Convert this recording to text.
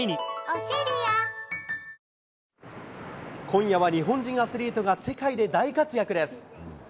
今夜は日本人アスリートが世界で大活躍です。